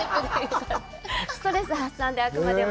ストレス発散で、あくまでも。